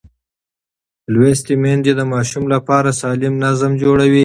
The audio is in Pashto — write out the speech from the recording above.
لوستې میندې د ماشوم لپاره سالم نظم جوړوي.